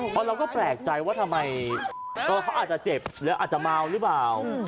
เพราะเราก็แปลกใจว่าทำไมตัวเขาอาจจะเจ็บหรืออาจจะเมาหรือเปล่า